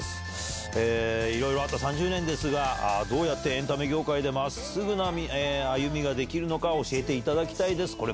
いろいろあった３０年ですが、どうやってエンタメ業界でまっすぐな歩みができるのか教えていただきたいです。